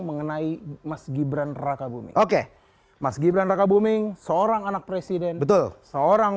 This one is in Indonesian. mengenai mas gibran raka buming oke mas gibran raka buming seorang anak presiden betul seorang